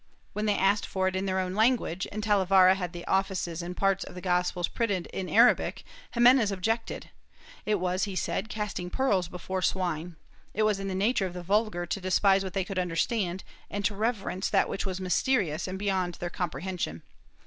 When they asked for it in their own language, and Talavera had the offices and parts of the gospels printed in Arabic, Ximenes objected; it was, he said, casting pearls before swine; it was in the nature of the vulgar to despise what they could understand and to reverence that which was mysterious and beyond their comprehension.